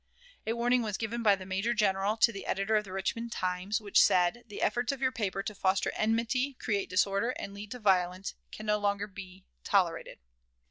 A warning was given by the major general to the editor of the Richmond "Times," which said, "The efforts of your paper to foster enmity, create disorder, and lead to violence, can no longer be tolerated."